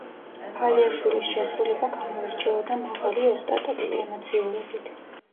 ფალიაშვილის შესრულება გამოირჩეოდა მაღალი ოსტატობით, ემოციურობით.